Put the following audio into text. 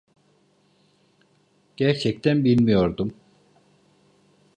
Gerçekten bilmiyordum.